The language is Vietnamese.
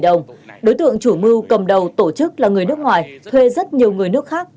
đối tượng chủ mưu cầm đầu tổ chức là người nước ngoài thuê rất nhiều người nước khác